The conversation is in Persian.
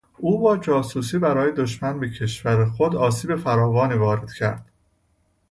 او با جاسوسی برای دشمن به کشور خود آسیب فراوانی وارد کرد.